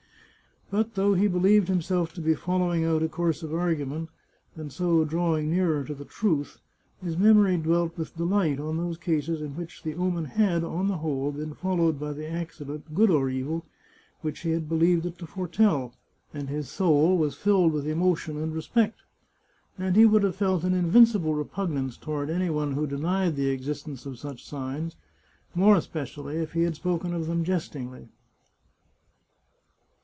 But though he be lieved himself to be following out a course of argument, and so drawing nearer to the truth, his memory dwelt with delight on those cases in which the omen had, on the whole, been followed by the accident, good or evil, which he had believed it to foretell, and his soul was filled with emotion and respect. And he would have felt an invincible repug nance toward any one who denied the existence of such signs, more especially if he had spoken of them jestingly.